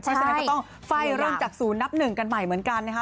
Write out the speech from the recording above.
เพราะฉะนั้นก็ต้องไฟเรื่องจากศูนย์นับนึงกันใหม่เหมือนกันนะคะ